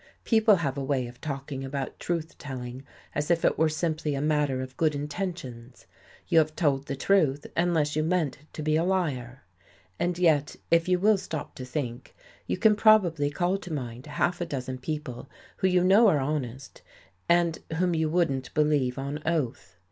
People have a way of talking about truth telling as if it were simply a matter of good intentions. You have told the truth unless you meant to be a liar. And yet, if you will stop to think, you can probably call to mind half a dozen people who you know are honest, and whom you wouldn't believe on 4 WHAT THEY FOUND IN THE ICE oath.